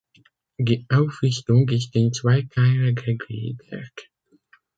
Die Auflistung ist in zwei Teile gegliedert.